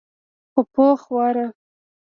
خو پوخ وار.